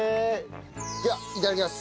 ではいただきます。